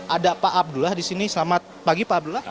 ada pak abdullah di sini selamat pagi pak abdullah